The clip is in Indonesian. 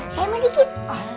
saya mau dikit